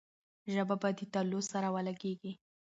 ژبه به د تالو سره ولګېږي.